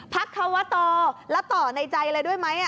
พักธวะโตและต่อในใจเลยด้วยไหม